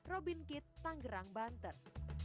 robin kitt tanggerang banter